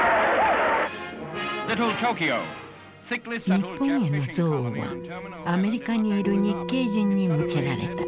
日本への憎悪はアメリカにいる日系人に向けられた。